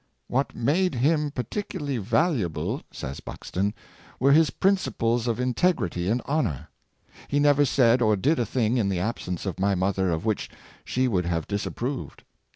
^' What made him particularly valuable," says Buxton, " were his principles of in tegrity and honor. He never said or did a thing in the absence of my mother of which she would have disapproved.